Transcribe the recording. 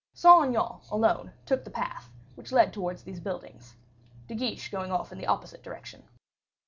Saint Aignan, alone, took the path which led towards these buildings; De Guiche going off in the opposite direction.